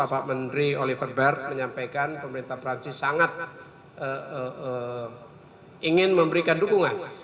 pak menteri oliver bert menyampaikan pemerintah perancis sangat ingin memberikan dukungan